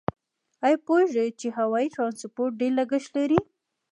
آیا پوهیږئ چې هوایي ترانسپورت ډېر لګښت لري؟